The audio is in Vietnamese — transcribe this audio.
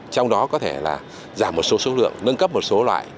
trong đó có thể là giảm một số số lượng nâng cấp một số loại